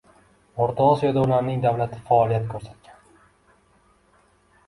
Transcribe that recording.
O‘rta Osiyoda ularning davlati faoliyat ko‘rsatgan.